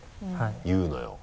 言うのよ。